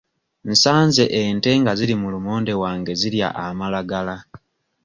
Nsanze ente nga ziri mu lumonde wange zirya amalagala.